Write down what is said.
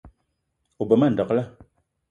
O be ma ndekle